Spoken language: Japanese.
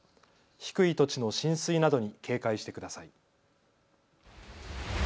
低い土地の浸水などに警戒してください。